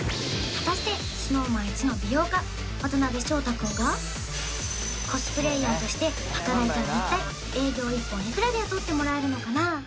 果たしてＳｎｏｗＭａｎイチの美容家渡辺翔太君がコスプレイヤーとして働いたら一体営業１本いくらで雇ってもらえるのかな？